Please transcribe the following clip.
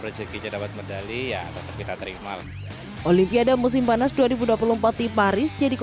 rezekinya dapat medali ya tetap kita terima olimpiade musim panas dua ribu dua puluh empat di paris jadi